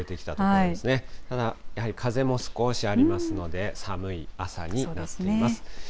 ただやはり風も少しありますので、寒い朝になっています。